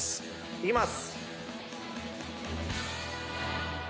いきます